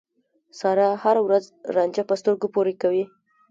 سارا هر ورځ رانجه په سترګو پورې کوي.